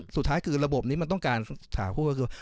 สุดท้ายคือระบบนี้มันต้องการถาคู่ก็คือ